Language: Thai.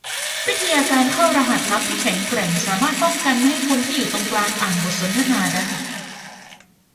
วิทยาการเข้ารหัสลับที่แข็งแกร่งสามารถป้องกันไม่ให้คนที่อยู่ตรงกลางอ่านบทสนทนาได้